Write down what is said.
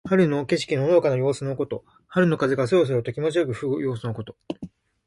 春の景色ののどかな様子のこと。春の風がそよそよと気持ちよく吹く様子のこと。